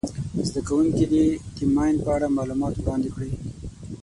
زده کوونکي دې د ماین په اړه معلومات وړاندي کړي.